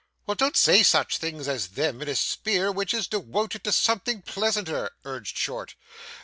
'Well, don't say such things as them, in a spear which is dewoted to something pleasanter,' urged Short.